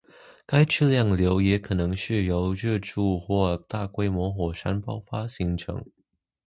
该质量瘤也可能是由热柱或大规模火山爆发形成。